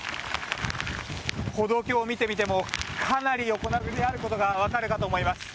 歩道橋を見てみてもかなり横殴りであることがわかるかと思います。